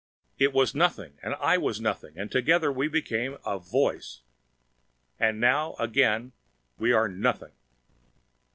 It was nothing, and I was nothing, and together we became a Voice! And now again, we are nothing!